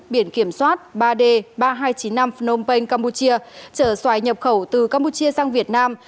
biển kiểm soát ba d ba nghìn hai trăm chín mươi năm phnom penh campuchia chở xoài nhập khẩu từ campuchia sang việt nam